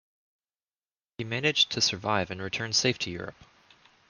He managed to survive and return safe to Europe.